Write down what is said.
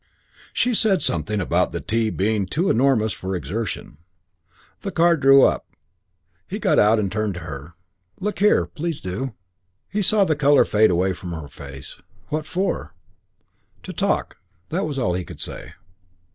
She said something about the tea being too enormous for exertion. The car drew up. He got out and turned to her. "Look here. Please do." He saw the colour fade away upon her face. "What for?" "To talk." It was all he could say.